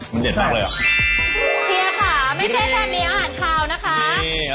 ไม่ใช่แบบมีอาหารเคล้านะคะ